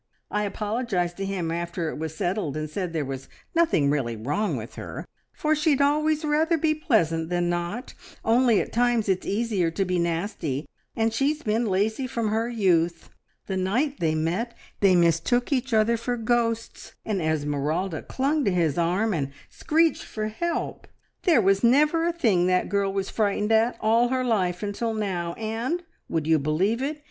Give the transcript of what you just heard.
I apologised to him after it was settled and said there was nothing really wrong with her, for she'd always rather be pleasant than not, only at times it's easier to be nasty, and she's been lazy from her youth. The night they met they mistook each other for ghosts, and Esmeralda clung to his arm and screeched for help. "There was never a thing that girl was frightened at, all her life, until now, and, would you believe it?